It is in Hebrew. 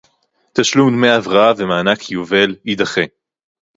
תשלום דמי הבראה ומענק יובל יידחה